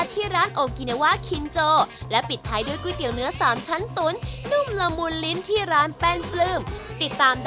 ที่อุโกติเชียงชนิดออกว้าง